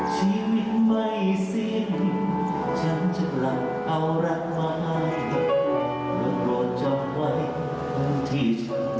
จะลับมาเผื่อพบเธอสักทีวัน